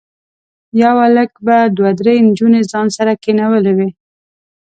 یو هلک به دوه درې نجونې ځان سره کېنولي وي.